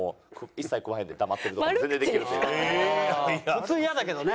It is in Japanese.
普通イヤだけどね。